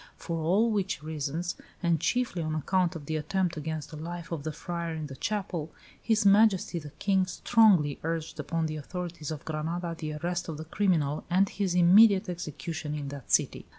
For all which reasons, and chiefly on account of the attempt against the life of the friar in the chapel, His Majesty the King strongly urged upon the authorities of Granada the arrest of the criminal and his immediate execution in that city."